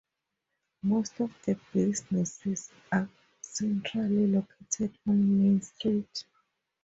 Most of the businesses are centrally located on main street.